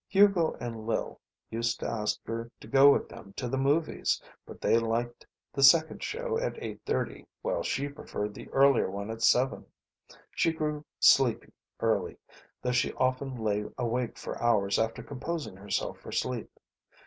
Hugo and Lil used to ask her to go with them to the movies, but they liked the second show at eight thirty while she preferred the earlier one at seven. She grew sleepy early, though she often lay awake for hours after composing herself for sleep.